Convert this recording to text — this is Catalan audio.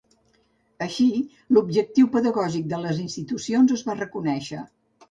Així, l'objectiu pedagògic de les institucions es va reconèixer.